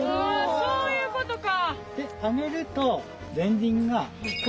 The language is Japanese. そういうことか！